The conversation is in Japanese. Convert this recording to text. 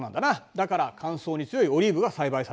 だから乾燥に強いオリーブが栽培されるわけだ。